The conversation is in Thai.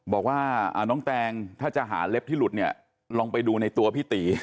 บอกว่าน้องแตงถ้าจะหาเล็บที่หลุดเนี่ยลองไปดูในตัวพี่ตี